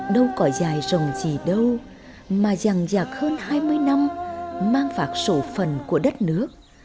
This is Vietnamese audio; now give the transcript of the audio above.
đâu có dài dòng gì đâu mà dằn dạc hơn hai mươi năm mang phạt sổ phần của đất nước